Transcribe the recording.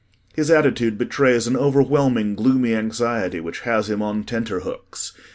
His attitude betrays an overwhelming, gloomy anxiety which has him on tenter hooks.